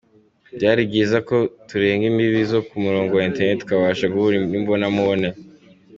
Byari byiza ko turenga imbibi zo ku murongo wa Internet tukabasha guhura imbona nkubone”.